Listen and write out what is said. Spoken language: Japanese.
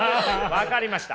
分かりました。